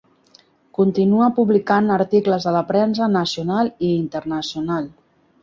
Continua publicant articles a la premsa nacional i internacional.